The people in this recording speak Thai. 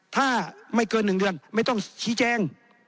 ถ้าไม่เกิน๑เดือนไม่ต้องชี้แจง